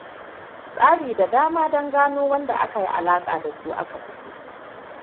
tsari da dama dan gano wanda aka yi alaka dasu aka bijiro.